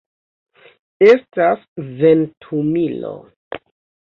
Estas ventumilo.